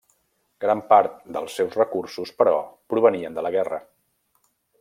Gran part dels seus recursos, però, provenien de la guerra.